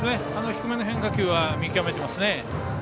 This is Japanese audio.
低めの変化球は見極めていますね。